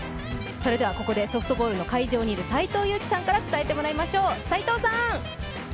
それではここでソフトボールの会場にいる斎藤佑樹さんから伝えてもらいましょう。